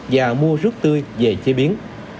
và mua rút tươi về chế biến